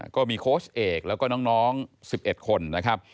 โค้ชเอกแล้วก็น้อง๑๑คนนะครับ